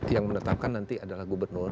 yang menetapkan nanti adalah gubernur